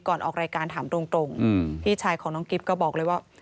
ออกรายการถามตรงพี่ชายของน้องกิ๊บก็บอกเลยว่า